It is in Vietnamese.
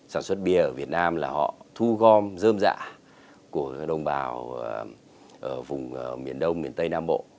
sản xuất bia ở việt nam là họ thu gom dơm dạ của đồng bào ở vùng miền đông miền tây nam bộ